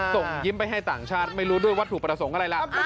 ส่งยิ้มไปให้ต่างชาติไม่รู้ด้วยวัตถุประสงค์อะไรล่ะ